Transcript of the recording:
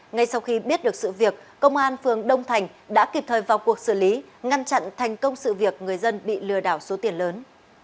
ngay sau khi biết được sự việc công an phường đông thành đã kịp thời vào cuộc xử lý ngăn chặn thành công sự việc người dân bị lừa đảo số tiền lớn